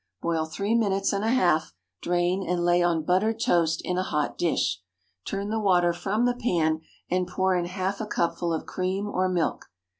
Boil three minutes and a half, drain, and lay on buttered toast in a hot dish. Turn the water from the pan and pour in half a cupful of cream or milk.